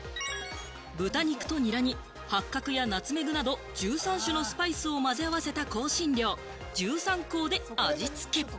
豚肉とニラに八角やナツメグなど１３種のスパイスを混ぜ合わせた香辛料、十三香で味付け。